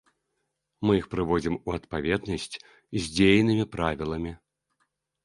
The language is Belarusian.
Мы іх прыводзім у адпаведнасць з дзейнымі правіламі.